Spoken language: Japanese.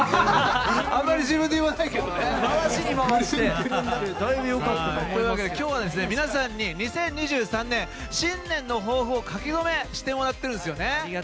あまり自分で言わないけどね。というわけで、今日は皆さんに２０２３年、新年の抱負を書き初めしてもらってるんですよね。